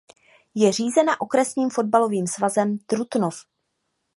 Je řízena Okresním fotbalovým svazem Trutnov.